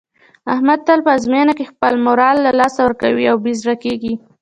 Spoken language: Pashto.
احمد تل په ازموینه کې خپل مورال له لاسه ورکوي او بې زړه کېږي.